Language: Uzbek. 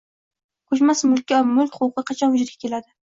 Ko‘chmas mulkka mulk huquqi qachon vujudga keladi?